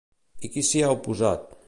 I qui s'hi ha oposat?